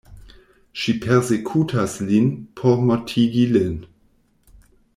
Ŝi persekutas lin por mortigi lin.